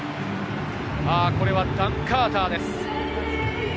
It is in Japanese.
これはダン・カーターです。